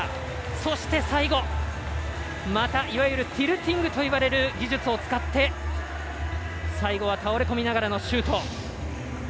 そして、最後またいわゆるティルティングといわれる技術を使って最後は倒れ込みながらのシュート。